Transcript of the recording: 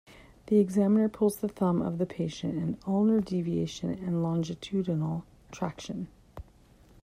The examiner pulls the thumb of the patient in ulnar deviation and longitudinal traction.